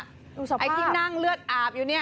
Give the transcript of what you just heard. ไอ้ที่นั่งเลือดอาบอยู่เนี่ย